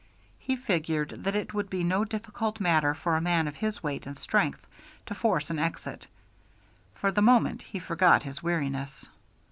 He figured that it would be no difficult matter for a man of his weight and strength to force an exit. For the moment he forgot his weariness.